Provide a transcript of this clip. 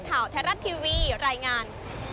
มัดข่าวแทรรัสทีวีรายงาน